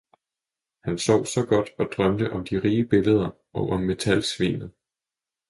han sov så godt og drømte om de rige billeder og om metalsvinet.